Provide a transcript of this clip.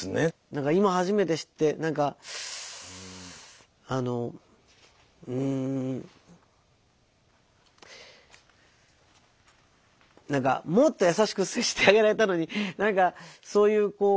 何か今初めて知って何かあのうん何かもっと優しく接してあげられたのに何かそういうこう。